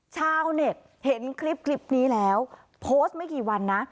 ชาวเน็ตเห็นคลิปนี้แล้วโพสต์ไม่กี่วันนะ